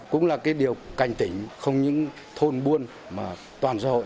cũng là cái điều cảnh tỉnh không những thôn buôn mà toàn xã hội